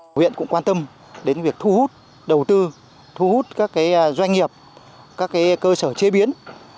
hội huyện cũng quan tâm đến việc thu hút đầu tư thu hút các doanh nghiệp các cơ sở chế biến